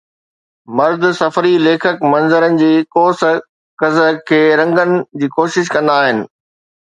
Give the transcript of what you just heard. مرد سفري ليکڪ منظرن جي قوس قزح کي رنگڻ جي ڪوشش ڪندا آهن